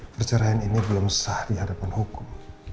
perceraian ini belum sah di hadapan hukum